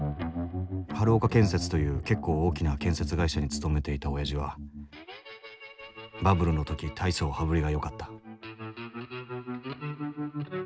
春岡建設という結構大きな建設会社に勤めていたおやじはバブルの時大層羽振りがよかった